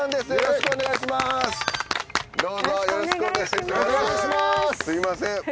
すみません。